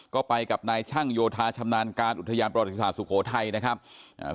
ก็ไปกับนายช่างโยธาชำนาญการอุทยานประวัติศาสตร์สุโขทัยนะครับอ่า